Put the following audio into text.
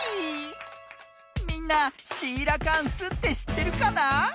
みんなシーラカンスってしってるかな？